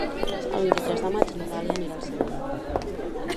El vint-i-tres de maig na Dàlia anirà al cinema.